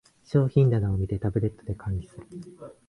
商品棚を見て、タブレットで管理する